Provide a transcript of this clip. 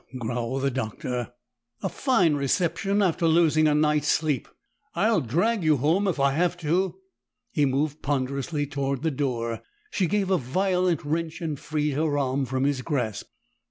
growled the Doctor. "A fine reception, after losing a night's sleep! I'll drag you home, if I have to!" He moved ponderously toward the door; she gave a violent wrench and freed her arm from his grasp.